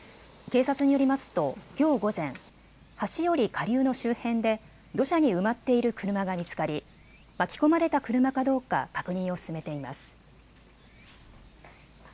警察によりますときょう午前、橋より下流の周辺で土砂に埋まっている車が見つかり巻き込まれた車かどうか確認を進めています。